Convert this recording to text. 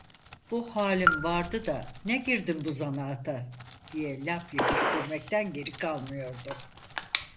Bu halin vardı da ne girdin bu zanaata! diye laf yetiştirmekten geri kalmıyordu.